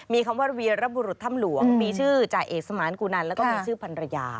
มีคำว่าเวียระบุรุษถ้ำหลวงมีชื่อจ่าเอกสมานกุนันแล้วก็มีชื่อพันรยา